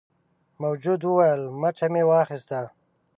موجود وویل مچه مې واخیسته.